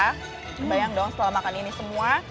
kebayang dong setelah makan ini semua